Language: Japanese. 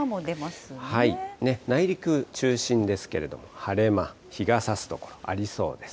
内陸中心ですけれども、晴れ間、日がさす所、ありそうです。